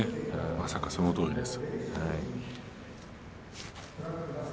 まさに、そのとおりです。